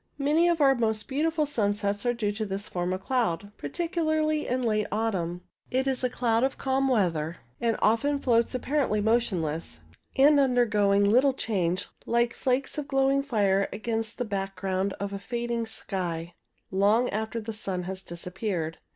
Many of our most beautiful sunsets are due to this form of cloud, particularly in the late autumn. It is a cloud of calm weather, and often floats apparently motionless, and undergoing little change, like flakes of glowirig fire against the back ground of a fading sky long after the sun has dis appeared.